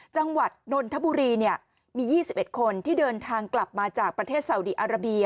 จังหวัดนนทบุรีมี๒๑คนที่เดินทางกลับมาจากประเทศสาวดีอาราเบีย